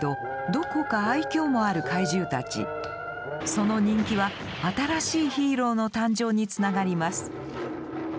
その人気は新しいヒーローの誕生につながります。